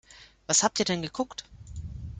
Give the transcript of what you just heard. Was habt ihr denn geguckt?